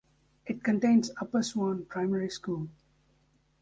It contains Upper Swan Primary School.